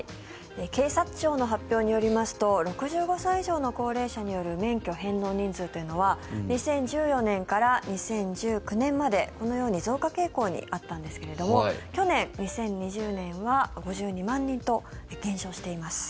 警察庁の発表によりますと６５歳以上の高齢者による免許返納人数というのは２０１４年から２０１９年までこのように増加傾向にあったんですが去年、２０２０年は５２万人と減少しています。